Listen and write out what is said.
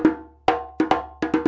ngapain kabur disitu